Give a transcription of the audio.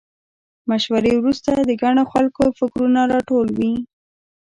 مشورې وروسته د ګڼو خلکو فکرونه راټول وي.